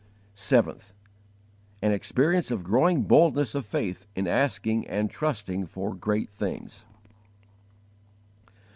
7. An experience of growing boldness of faith in _asking and trusting for great things.